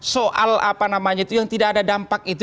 soal apa namanya itu yang tidak ada dampak itu